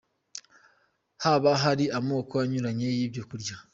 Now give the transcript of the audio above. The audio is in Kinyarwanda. Haba hari amoko anyuranye y'ibyo kurya.